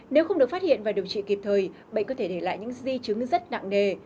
nếu không được phát hiện và điều trị kịp thời bệnh có thể để lại những di chứng rất nặng nề